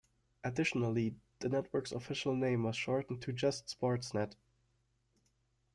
Additionally, the network's official name was shortened to just Sportsnet.